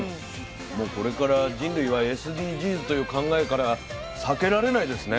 もうこれから人類はＳＤＧｓという考えから「避け」られないですね。